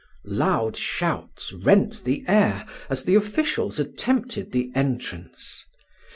Loud shouts rent the air as the officials attempted the entrance.